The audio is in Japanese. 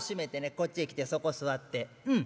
こっちへ来てそこ座ってうん。